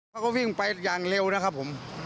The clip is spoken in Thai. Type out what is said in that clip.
เขาก็วิ่งไปอย่างเร็วนะครับผม